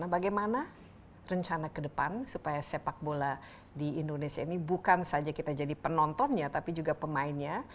nah bagaimana rencana ke depan supaya sepak bola di indonesia ini bukan saja kita jadi penontonnya tapi juga pemainnya